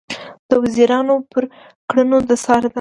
د وزیرانو پر کړنو د څار دنده